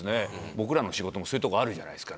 僕らの仕事もそういうとこあるじゃないですか。